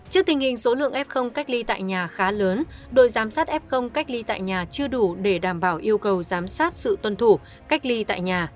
trước tình hình số lượng f cách ly tại nhà khá lớn đội giám sát f cách ly tại nhà chưa đủ để đảm bảo yêu cầu giám sát sự tuân thủ cách ly tại nhà